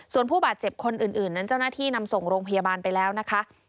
ส่วนผู้บาดเจ็บคนอื่นนั้นเจ้าหน้าที่นำส่งโรงพยาบาลไปแล้วนะคะ